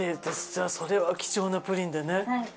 じゃあそれは貴重なプリンでね。